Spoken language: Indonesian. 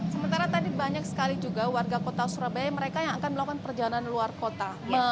sementara tadi banyak sekali juga warga kota surabaya mereka yang akan melakukan perjalanan luar kota